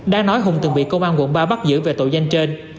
đang nói hùng từng bị công an quận ba bắt giữ về tội danh trên